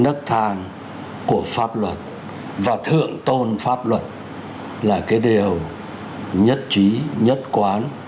cái nấc thang của pháp luật và thượng tôn pháp luật là cái điều nhất trí nhất quán